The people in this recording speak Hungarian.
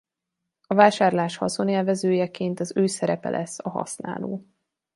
A vásárlás haszonélvezőjeként az ő szerepe lesz a használó.